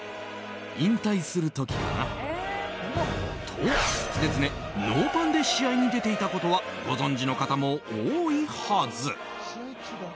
と、常々ノーパンで試合に出ていたことはご存じの方も多いはず。